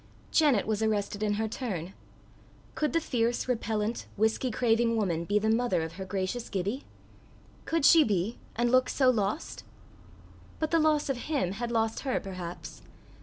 Janet was arrested in her turn: could the fierce, repellent, whisky craving woman be the mother of her gracious Gibbie? Could she be, and look so lost? But the loss of him had lost her perhaps.